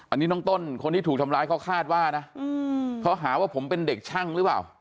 อันนี้น้องต้นคนที่ถูกทำร้ายเขาคาดว่านะเขาหาว่าผมเป็นเด็กช่างหรือเปล่า